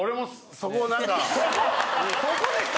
そこですか？